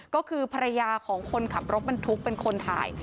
ก็คือภรรยาของคนขับรถบรรทุกเป็นคนถ่าย